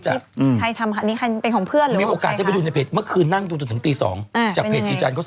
ใครทำค่ะใครเป็นของเพื่อนหรือใครคะ